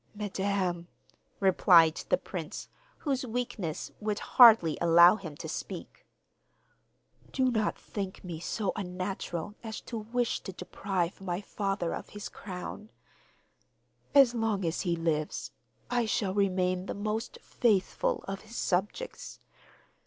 'Madam,' replied the prince, whose weakness would hardly allow him to speak, 'do not think me so unnatural as to wish to deprive my father of his crown. As long as he lives I shall remain the most faithful of his subjects!